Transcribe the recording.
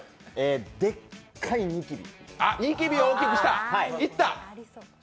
でっかいニキビ？